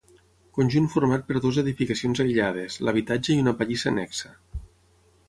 Conjunt format per dues edificacions aïllades, l'habitatge i una pallissa annexa.